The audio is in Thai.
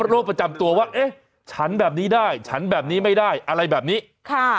โรคประจำตัวว่าเอ๊ะฉันแบบนี้ได้ฉันแบบนี้ไม่ได้อะไรแบบนี้ค่ะ